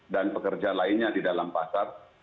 dan pekerja lainnya di dalam pasar